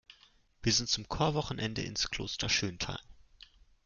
Wir sind zum Chorwochenende ins Kloster Schöntal.